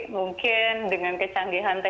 oke kemudian ada seorang pendidik ini ibu santi